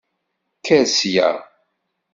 Kker sya!